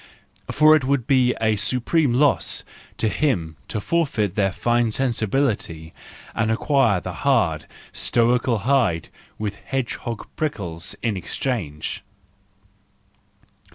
For it would be a supreme loss to them to forfeit their fine sensibility, and acquire the hard, stoical hide with hedgehog prickles in exchange.